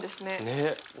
ねえ。